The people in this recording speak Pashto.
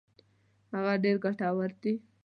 هغه ډېر ګټور دي.